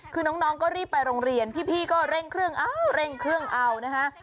คือน้องก็รีบไปโรงเรียนพี่ก็เร่งเครื่องเอาเร่งเครื่องเอานะฮะ